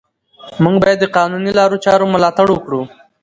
موږ باید د قانوني لارو چارو ملاتړ وکړو